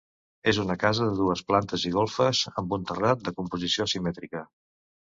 És una casa de dues plantes i golfes, amb un terrat de composició simètrica.